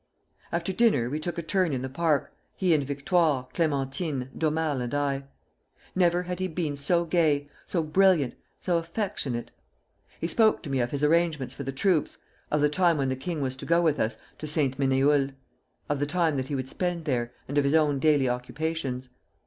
"After dinner we took a turn in the park, he and Victoire, Clémentine, D'Aumale, and I. Never had he been so gay, so brilliant, so affectionate. He spoke to me of his arrangements for the troops, of the time when the king was to go with us to Ste. Menehoulde, of the time that he would spend there, and of his own daily occupations.